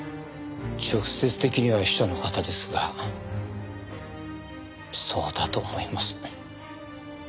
直接的には秘書の方ですがそうだと思います。